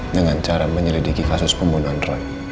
dengan cara menyelidiki kasus pembunuhan roy